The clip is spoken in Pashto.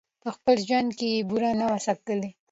په خپل ژوند کي یې بوره نه وه څکلې